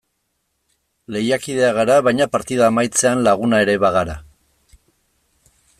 Lehiakideak gara baina partida amaitzean laguna ere bagara.